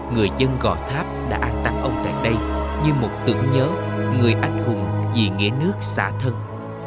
người dân gò tháp đã tăng ông tại đây như một tưởng nhớ người anh hùng vì nghĩa nước xã thân